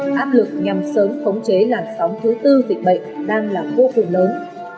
áp lực nhằm sớm khống chế làn sóng thứ tư dịch bệnh đang là vô cùng lớn